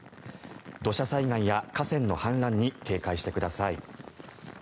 土砂災害や河川の氾濫に警戒してください。